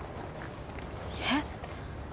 えっ！？